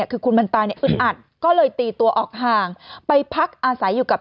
คือคุณมันตาเนี่ยอึดอัดก็เลยตีตัวออกห่างไปพักอาศัยอยู่กับ